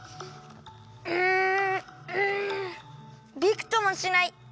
うんんビクともしない！